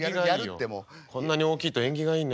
こんなに大きいと縁起がいいね。